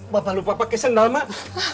bapak lupa pakai sendal mak